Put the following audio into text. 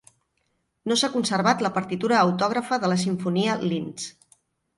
No s'ha conservat la partitura autògrafa de la simfonia "Linz".